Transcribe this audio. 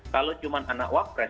kalau cuma anak wak pres